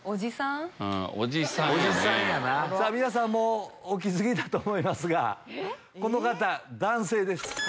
皆さんお気付きだと思いますがこの方男性です。